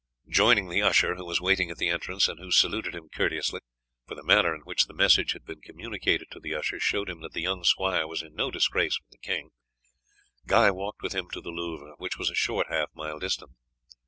Joining the usher, who was waiting at the entrance, and who saluted him courteously for the manner in which the message had been communicated to the usher showed him that the young squire was in no disgrace with the king Guy walked with him to the Louvre, which was a short half mile distant.